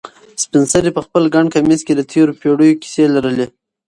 سپین سرې په خپل ګڼ کمیس کې د تېرو پېړیو کیسې لرلې.